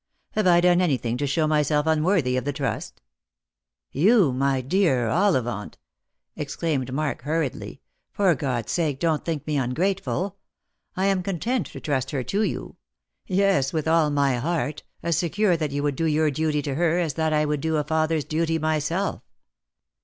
Have I done anything to show myself unworthy of the trust ?"" You, my dear Ollivant !" exclaimed Mark hurriedly. " For God's sake don't think me ungrateful ! I am content to trust her to you ; yes, with all my heart, as secure that you would do your duty to her as that I would do a father's duty myself.